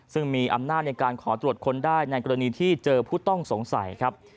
ซึ่งมีอำนาจในการขอตรวจค้นได้ในกรณีที่เจอผู้ต้องสงสัยครับ